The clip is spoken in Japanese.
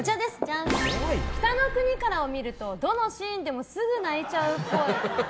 「北の国から」を見るとどのシーンでもすぐ泣いちゃうっぽい。